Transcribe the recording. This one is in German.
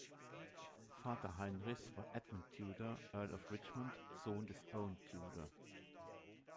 Vater Heinrichs war Edmund Tudor, Earl of Richmond, Sohn des Owen Tudor.